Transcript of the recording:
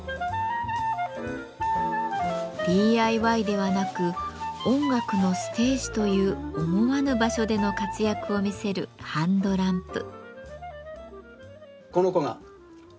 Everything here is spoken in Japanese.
ＤＩＹではなく音楽のステージという思わぬ場所での活躍を見せるハンドランプ。